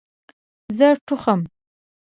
زه ټوخم